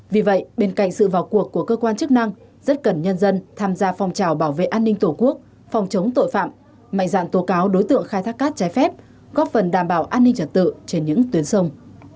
vì vậy bên cạnh sự vào cuộc của cơ quan chức năng rất cần nhân dân tham gia phòng trào bảo vệ an ninh tổ quốc phòng chống tội phạm mạnh dạng tố cáo đối tượng khai thác cát trái phép góp phần đảm bảo an ninh trật tự trên những tuyến sông